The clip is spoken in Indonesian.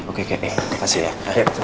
oke oke eh terima kasih ya